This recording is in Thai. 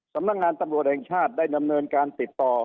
สำนักงานตำรวจแห่งชาติได้ดำเนินการติดต่อ